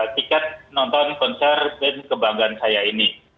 tiket nonton konser band kebanggaan saya ini